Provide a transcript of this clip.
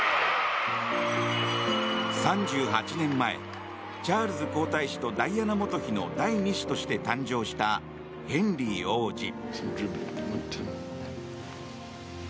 ３８年前、チャールズ皇太子とダイアナ元妃の第２子として誕生したヘンリー王子。